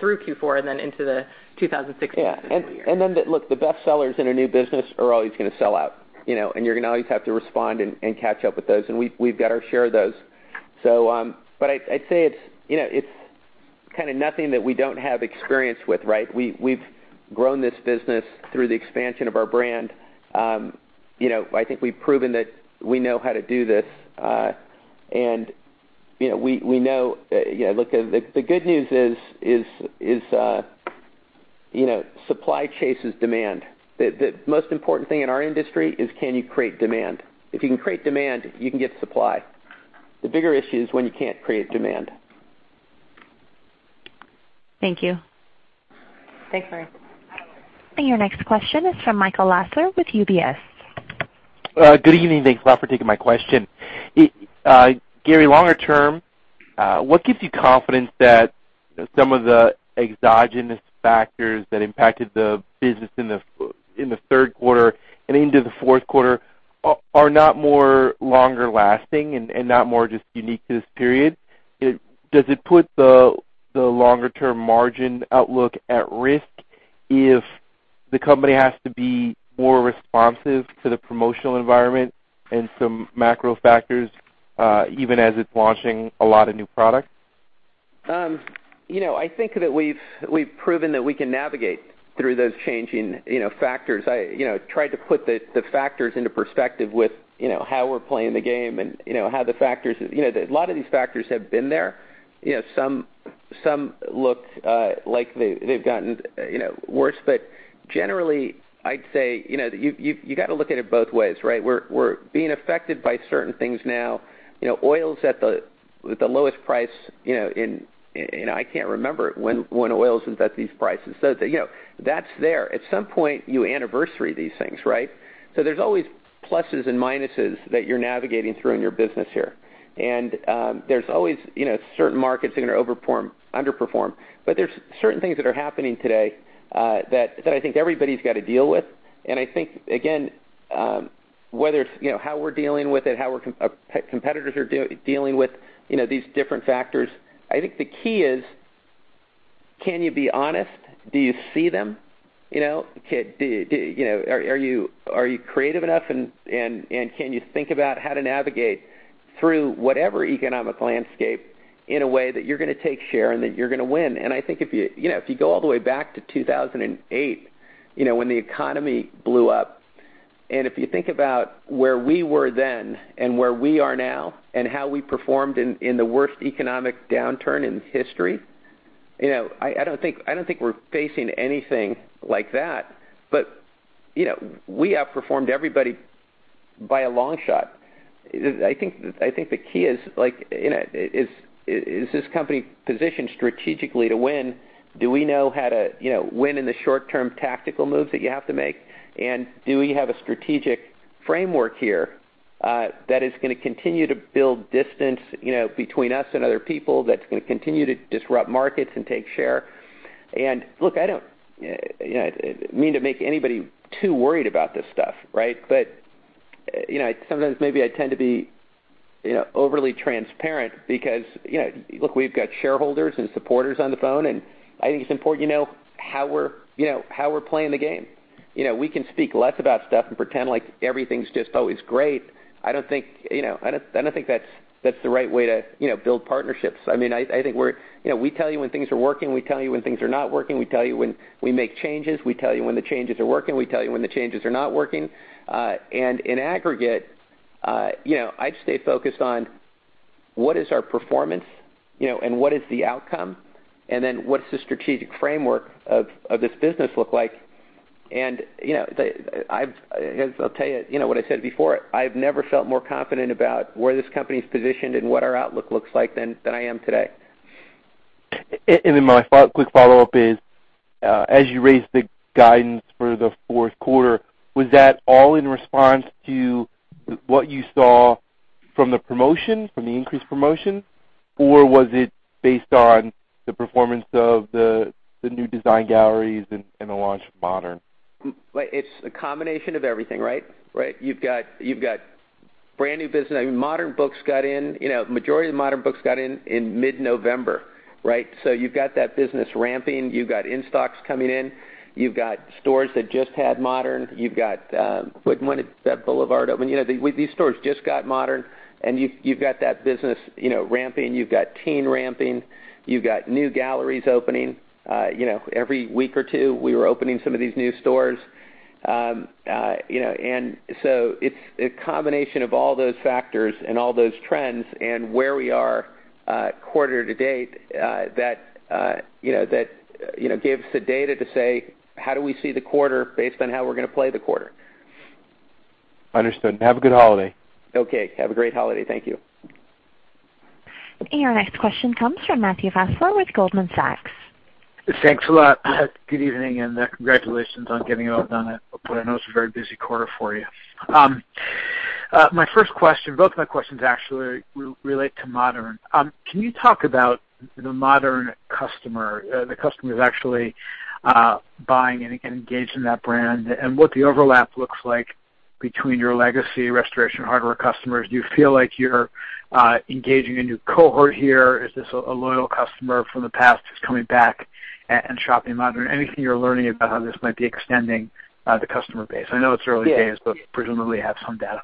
through Q4 and then into the 2016 year. Yeah. Look, the best sellers in a new business are always going to sell out, and you're going to always have to respond and catch up with those. We've got our share of those. I'd say it's kind of nothing that we don't have experience with, right? We've grown this business through the expansion of our brand. I think we've proven that we know how to do this. Look, the good news is supply chases demand. The most important thing in our industry is can you create demand? If you can create demand, you can get supply. The bigger issue is when you can't create demand. Thank you. Thanks, Lorraine. Your next question is from Michael Lasser with UBS. Good evening. Thanks a lot for taking my question. Gary, longer term, what gives you confidence that some of the exogenous factors that impacted the business in the third quarter and into the fourth quarter are not more longer lasting and not more just unique to this period? Does it put the longer-term margin outlook at risk if the company has to be more responsive to the promotional environment and some macro factors, even as it's launching a lot of new products? I think that we've proven that we can navigate through those changing factors. I tried to put the factors into perspective with how we're playing the game. A lot of these factors have been there. Some look like they've gotten worse. Generally, I'd say you've got to look at it both ways, right? We're being affected by certain things now. Oil's at the lowest price in, I can't remember when oil has been at these prices. That's there. At some point, you anniversary these things, right? There's always pluses and minuses that you're navigating through in your business here. There's always certain markets that are going to over-perform, under-perform. There's certain things that are happening today that I think everybody's got to deal with. I think, whether it's how we're dealing with it, how our competitors are dealing with these different factors. I think the key is, can you be honest? Do you see them? Are you creative enough, and can you think about how to navigate through whatever economic landscape in a way that you're going to take share and that you're going to win? I think if you go all the way back to 2008, when the economy blew up, and if you think about where we were then and where we are now, and how we performed in the worst economic downturn in history, I don't think we're facing anything like that. We outperformed everybody by a long shot. I think the key is this company positioned strategically to win? Do we know how to win in the short term tactical moves that you have to make? Do we have a strategic framework here, that is going to continue to build distance between us and other people, that's going to continue to disrupt markets and take share? Look, I don't mean to make anybody too worried about this stuff, right? Sometimes maybe I tend to be overly transparent because, look, we've got shareholders and supporters on the phone, and I think it's important you know how we're playing the game. We can speak less about stuff and pretend like everything's just always great. I don't think that's the right way to build partnerships. I think we tell you when things are working, we tell you when things are not working, we tell you when we make changes, we tell you when the changes are working, we tell you when the changes are not working. In aggregate, I'd stay focused on what is our performance, what is the outcome, what's the strategic framework of this business look like. As I'll tell you, what I said before, I've never felt more confident about where this company's positioned and what our outlook looks like than I am today. My quick follow-up is, as you raised the guidance for the fourth quarter, was that all in response to what you saw from the promotion, from the increased promotion, or was it based on the performance of the new design galleries and the launch of Modern? It's a combination of everything, right? You've got brand new business. Majority of the Modern books got in in mid-November. You've got that business ramping, you've got in stocks coming in. You've got stores that just had Modern. You've got, when did Boulevard open? These stores just got Modern, you've got that business ramping. You've got Teen ramping. You've got new galleries opening. Every week or two, we were opening some of these new stores. It's a combination of all those factors and all those trends and where we are quarter to date, that gives the data to say, how do we see the quarter based on how we're going to play the quarter. Understood. Have a good holiday. Okay. Have a great holiday. Thank you. Your next question comes from Matthew Fassler with Goldman Sachs. Thanks a lot. Good evening, congratulations on getting it all done. I know it's a very busy quarter for you. My first question, both my questions actually relate to Modern. Can you talk about the Modern customer, the customers actually buying and engaged in that brand, and what the overlap looks like between your legacy Restoration Hardware customers. Do you feel like you're engaging a new cohort here? Is this a loyal customer from the past who's coming back and shopping Modern? Anything you're learning about how this might be extending the customer base. I know it's early days- Yeah Presumably have some data.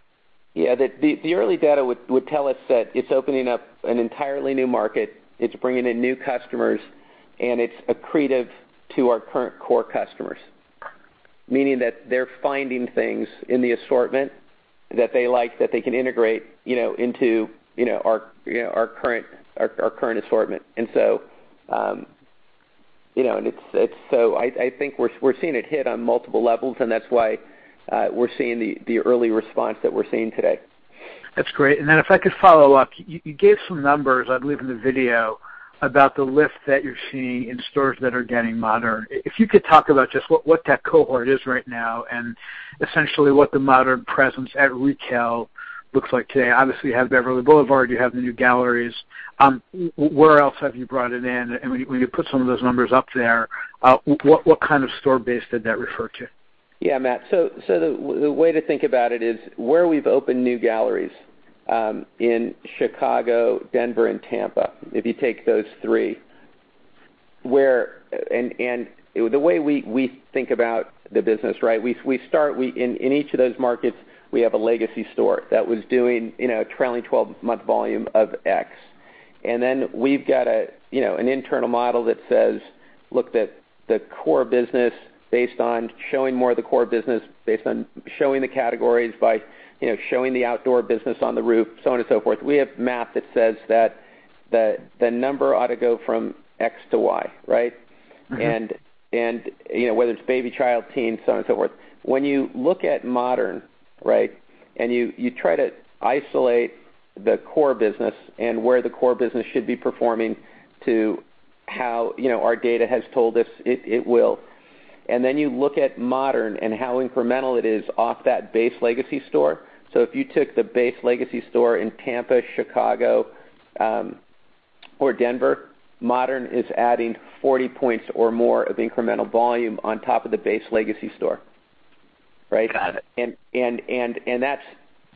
Yeah. The early data would tell us that it's opening up an entirely new market. It's bringing in new customers, and it's accretive to our current core customers. Meaning that they're finding things in the assortment that they like, that they can integrate into our current assortment. I think we're seeing it hit on multiple levels, and that's why we're seeing the early response that we're seeing today. That's great. If I could follow up. You gave some numbers, I believe, in the video about the lift that you're seeing in stores that are getting RH Modern. If you could talk about just what that cohort is right now and essentially what the RH Modern presence at retail looks like today. Obviously, you have Beverly Boulevard, you have the new galleries. Where else have you brought it in? When you put some of those numbers up there, what kind of store base did that refer to? Yeah, Matt. The way to think about it is where we've opened new galleries, in Chicago, Denver, and Tampa. If you take those three. The way we think about the business, in each of those markets, we have a legacy store that was doing trailing 12-month volume of X. We've got an internal model that says, look the core business based on showing more of the core business, based on showing the categories by showing the outdoor business on the roof, so on and so forth. We have math that says that the number ought to go from X to Y, right? Whether it's baby, child, RH Teen, so on and so forth. When you look at RH Modern, and you try to isolate the core business and where the core business should be performing to how our data has told us it will. You look at RH Modern and how incremental it is off that base legacy store. If you took the base legacy store in Tampa, Chicago, or Denver, RH Modern is adding 40 points or more of incremental volume on top of the base legacy store. Right? Got it.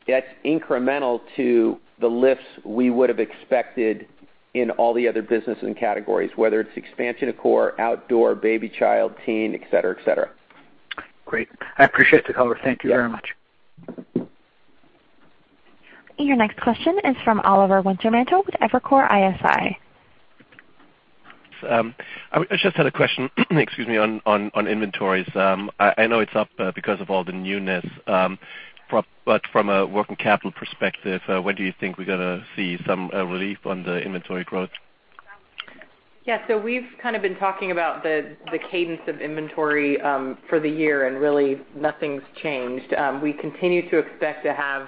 That's incremental to the lifts we would've expected in all the other business and categories, whether it's expansion of core, outdoor, baby, child, teen, et cetera. Great. I appreciate the color. Thank you very much. Your next question is from Oliver Wintermantel with Evercore ISI. I just had a question, excuse me, on inventories. I know it's up because of all the newness. From a working capital perspective, when do you think we're going to see some relief on the inventory growth? Yeah. We've kind of been talking about the cadence of inventory for the year, and really nothing's changed. We continue to expect to have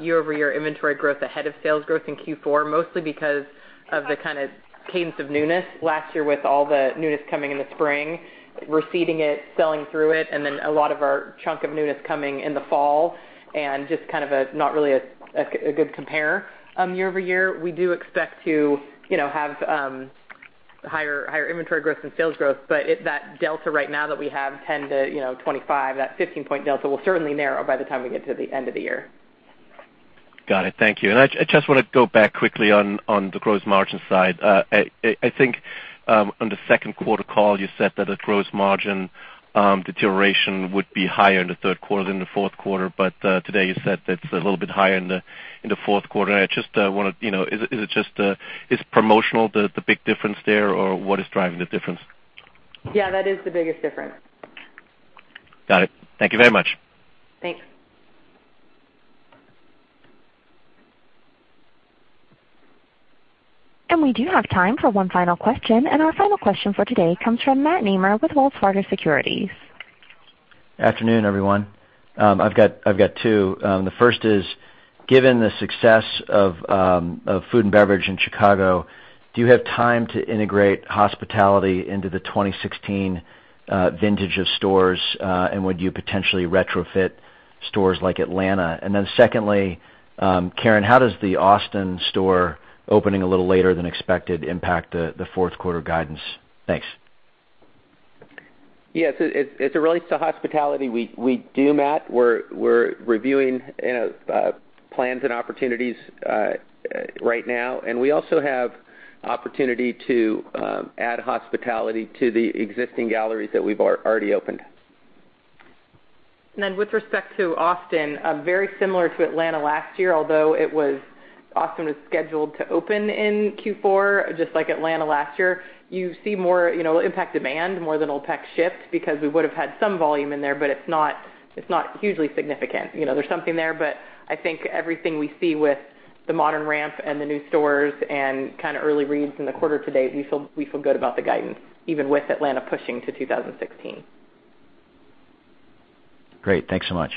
year-over-year inventory growth ahead of sales growth in Q4, mostly because of the kind of cadence of newness last year with all the newness coming in the spring. We're seeding it, selling through it, and then a lot of our chunk of newness coming in the fall and just kind of not really a good compare year-over-year. We do expect to have higher inventory growth than sales growth. That delta right now that we have 10%-25%, that 15-point delta will certainly narrow by the time we get to the end of the year. Got it. Thank you. I just want to go back quickly on the gross margin side. I think on the second quarter call, you said that a gross margin deterioration would be higher in the third quarter than the fourth quarter. Today you said that it's a little bit higher in the fourth quarter. Is it promotional, the big difference there, or what is driving the difference? Yeah, that is the biggest difference. Got it. Thank you very much. Thanks. We do have time for one final question. Our final question for today comes from Matt Nemer with Wells Fargo Securities. Afternoon, everyone. I've got two. The first is: Given the success of Food and Beverage in Chicago, do you have time to integrate Hospitality into the 2016 vintage of stores? Would you potentially retrofit stores like Atlanta? Then secondly, Karen, how does the Austin store opening a little later than expected impact the fourth quarter guidance? Thanks. Yes. As it relates to hospitality, we do, Matt. We're reviewing plans and opportunities right now, we also have opportunity to add hospitality to the existing galleries that we've already opened. With respect to Austin, very similar to Atlanta last year, although Austin was scheduled to open in Q4, just like Atlanta last year. You see more impact demand more than it'll impact ships, because we would've had some volume in there, but it's not hugely significant. There's something there, but I think everything we see with the Modern ramp and the new stores and kind of early reads in the quarter to date, we feel good about the guidance, even with Atlanta pushing to 2016. Great. Thanks so much.